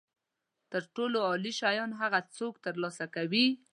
تر ټولو عالي شیان هغه څوک ترلاسه کوي.